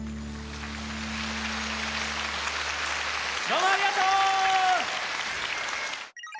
どうもありがとう！